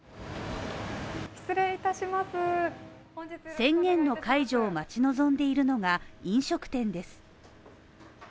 宣言の解除を待ち望んでいるのが飲食店です